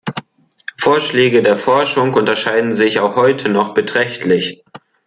Vorschläge der Forschung unterscheiden sich auch heute noch beträchtlich.